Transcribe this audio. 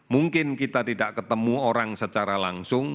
mungkin kita tidak ketemu orang secara langsung